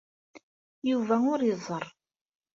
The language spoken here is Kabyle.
Yuba ur iẓerr.